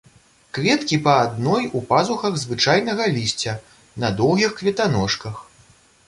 Кветкі па адной у пазухах звычайнага лісця, на доўгіх кветаножках.